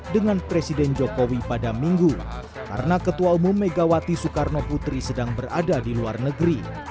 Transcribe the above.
dengan presiden jokowi pada minggu karena ketua umum megawati soekarno putri sedang berada di luar negeri